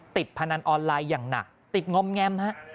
พนันออนไลน์อย่างหนักติดงอมแงมฮะ